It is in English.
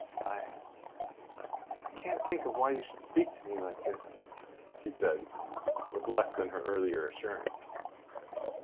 "I... I can't think why you should speak to me like this," she said, with less than her earlier assurance.